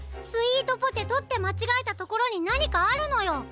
「スイートポテト」ってまちがえたところになにかあるのよ！